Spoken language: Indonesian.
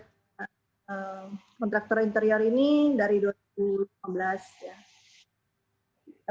kontraktor interior ini dari dua ribu lima belas ya